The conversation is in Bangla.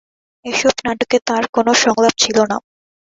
এসব নাটকে তার কোন সংলাপ ছিল না।